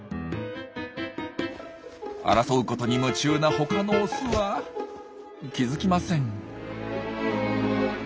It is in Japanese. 争うことに夢中な他のオスは気付きません。